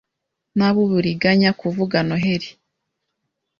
Naba uburiganya kuvuga Noheri -